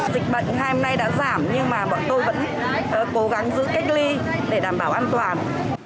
dịch bệnh hôm nay đã giảm nhưng mà bọn tôi vẫn cố gắng giữ cách ly để đảm bảo an toàn